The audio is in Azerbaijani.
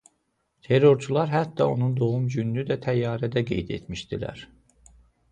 Terrorçular hətta onun doğum gününü də təyyarədə qeyd etmişdilər.